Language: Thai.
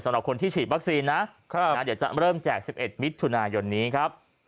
สำหรับคนที่ฉีดวัคซีนนะเดี๋ยวจะเริ่มแจก๑๑มิถุนายนนี้ครับ